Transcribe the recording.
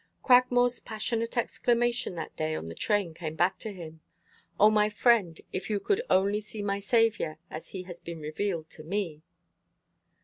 Cragmore's passionate exclamation that day on the train came back to him: "O, my friend, if you could only see my Savior as he has been revealed to me!"